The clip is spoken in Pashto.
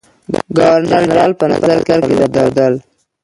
ګورنر جنرال په نظر کې درلودل.